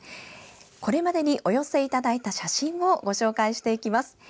これまでにお寄せいただいた写真ご紹介します。